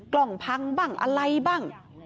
กล่องพังบ้างอะไรบ้าง